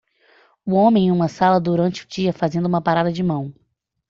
Um homem em uma sala durante o dia fazendo uma parada de mão.